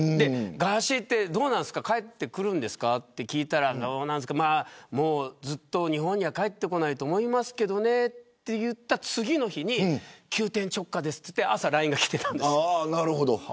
ガーシーはどうなんですか帰ってくるんですかと聞いたらずっと日本には帰ってこないと思いますけどねと言った次の日に急転直下ですといって朝ＬＩＮＥが来たんです。